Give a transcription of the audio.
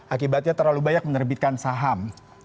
akibatnya terlalu banyak menerbitkan saham